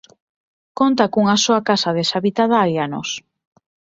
Conta cunha soa casa deshabitada hai anos.